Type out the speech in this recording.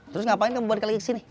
terus ngapain kamu buat ke lagi ke sini